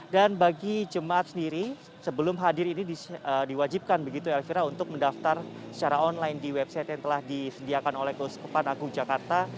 dan bagi jemaat sendiri sebelum hadir ini diwajibkan begitu elvira untuk mendaftar secara online di website yang telah disediakan oleh kepan agung jakarta